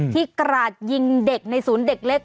กราดยิงเด็กในศูนย์เด็กเล็ก